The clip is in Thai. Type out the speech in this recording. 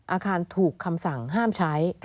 อาคารถูกคำสั่งห้ามใช้